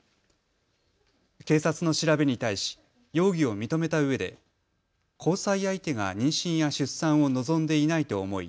警察の調べに対し容疑を認めたうえで交際相手が妊娠や出産を望んでいないと思い